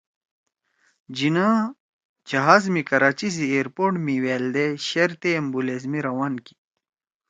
جناح جہاز می کراچی سی ایئرپورٹ می وألدے شیرتے ایمبولینس می روان کی